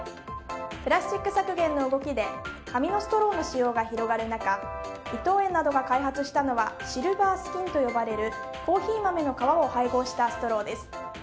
プラスチック削減の動きで紙のストローの使用が広がる中伊藤園などが開発したのはシルバースキンと呼ばれるコーヒー豆の皮を配合したストローです。